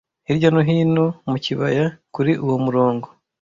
Hirya no hino mu kibaya, kuri uwo murongo,